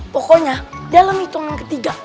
pokoknya dalam hitungan ketiga